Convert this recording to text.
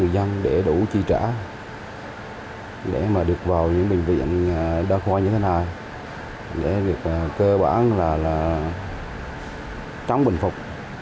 đặc biệt là bệnh viện đa khoa như thế này để việc cơ bản là trống bệnh phục